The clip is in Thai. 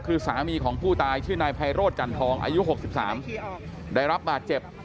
คือสามีของผู้ตายชื่อนายไพโรธจันทองอายุ๖๓ได้รับบาดเจ็บ